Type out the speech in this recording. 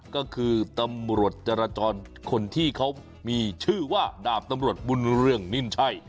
ก็คือตำรวจจราจรคนที่เขามีชื่อว่าดาบตำรวจบุญเรืองนิ่นใช่